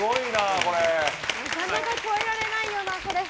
なかなか越えられないよな。